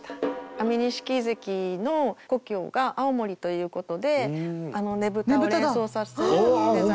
安美錦関の故郷が青森ということでねぶたを連想させるデザイン。